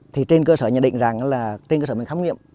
thì trên cơ sở nhận định rằng là trên cơ sở mình khám nghiệm